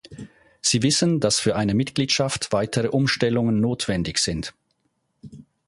Sie wissen, dass für eine Mitgliedschaft weitere Umstellungen notwendig sind.